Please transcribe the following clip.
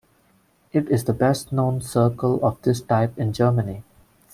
It is the best known circle of this type in Germany.